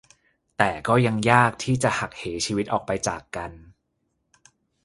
แต่ก็ยังยากที่จะหักเหชีวิตออกไปจากกัน